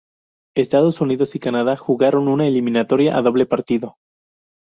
Estados Unidos y Canadá jugaron una eliminatoria a doble partido.